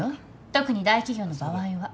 特に大企業の場合は。